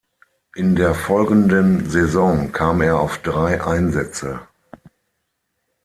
In der folgenden Saison kam er auf drei Einsätze.